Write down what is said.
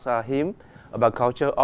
trang trí của